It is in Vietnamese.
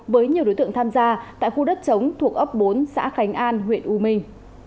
với nhiều đối tượng tham gia tại khu đất chống thuộc ấp bốn xã khánh an huyện u minh